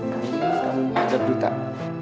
kamu anggap duit tak